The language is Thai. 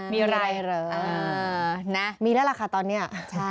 มีอะไรมีแล้วหรือมีแล้วค่ะตอนนี้